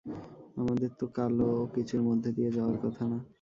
আমাদের তো কালো কিছুর মধ্য দিয়ে যাওয়ার কথা না?